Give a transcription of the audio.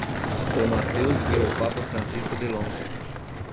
O Mateus viu o Papa Francisco de longe.